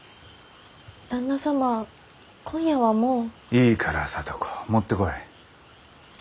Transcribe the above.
いいから聡子持ってこい。